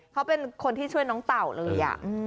เขาเป็นคนที่ช่วยน้องเต่าเลย